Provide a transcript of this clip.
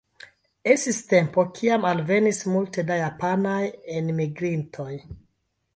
Estis tempo, kiam alvenis multe da japanaj enmigrintoj.